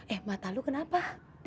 eh mata lu kenapa